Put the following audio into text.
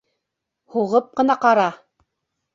Һуғып ҡына ҡара!